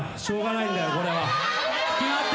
しょうがないんだよこれは。